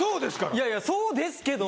いやいや、そうですけど。